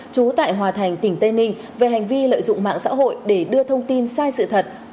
trú tại hòa thành tỉnh tây ninh về hành vi lợi dụng mạng xã hội để đưa thông tin sai sự thật